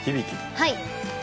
はい。